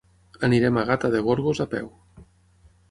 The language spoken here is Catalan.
Anirem a Gata de Gorgos a peu.